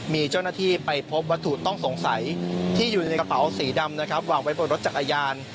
มีเจ้าหน้าที่ไปพบวัตถุต้องสงสัยที่อยู่ในกระเป๋าสีดำนะครับวางไว้บนรถจักรยาน